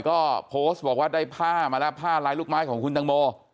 ก็โพสต์บอกว่าได้ผ้ามาแล้วผ้าลายลูกไม้ของคุณตังโม